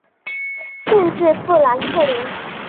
县治富兰克林。